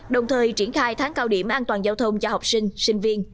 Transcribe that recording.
đồng thời triển khai tháng cao điểm an toàn giao thông cho học sinh sinh viên